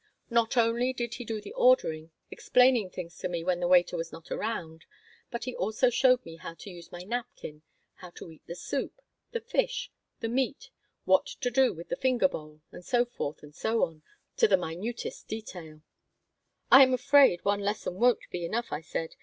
Not only did he do the ordering, explaining things to me when the waiter was not around, but he also showed me how to use my napkin, how to eat the soup, the fish, the meat, what to do with the finger bowl, and so forth and so on, to the minutest detail "I am afraid one lesson won't be enough," I said.